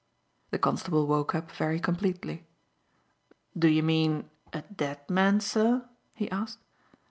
The constable woke up very completely. "Do you mean a dead man, sir?" he asked.